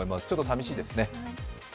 ちょっと寂しいですね。